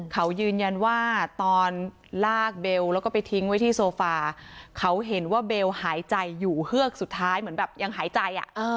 เขายืนยันว่าตอนลากเบลแล้วก็ไปทิ้งไว้ที่โซฟาเขาเห็นว่าเบลหายใจอยู่เฮือกสุดท้ายเหมือนแบบยังหายใจ